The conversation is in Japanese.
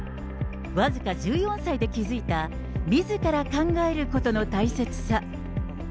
僅か１４歳で気付いた、みずから考えることの大切さ。